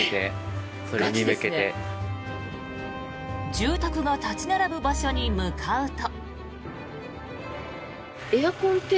住宅が立ち並ぶ場所に向かうと。